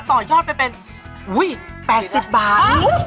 ต่อยอดไปเป็น๘๐บาท